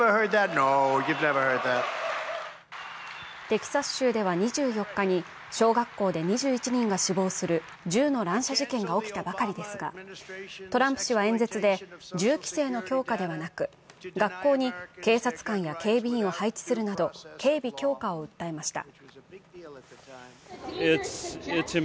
テキサス州では２４日に小学校で２１人が死亡する銃の乱射事件が起きたばかりですが、トランプ氏は演説で銃規制の強化ではなく学校に警察官や警備員を配置するなど警備強化を訴えました。